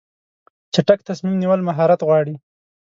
چټک تصمیم نیول مهارت غواړي.